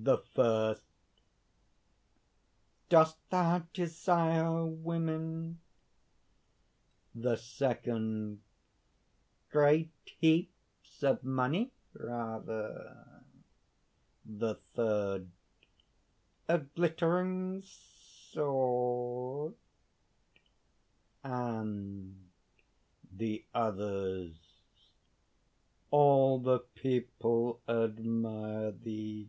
_) The First: "Dost thou desire women?" The Second: "Great heaps of money, rather!" The Third: "A glittering sword?" (and) The Others: "All the people admire thee!